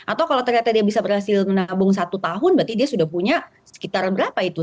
atau kalau ternyata dia bisa berhasil menabung satu tahun berarti dia sudah punya sekitar berapa itu